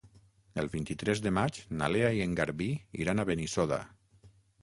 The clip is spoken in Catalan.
El vint-i-tres de maig na Lena i en Garbí iran a Benissoda.